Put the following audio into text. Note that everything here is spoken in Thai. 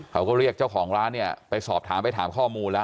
เขาก็เรียกเจ้าของร้านเนี่ยไปสอบถามไปถามข้อมูลแล้ว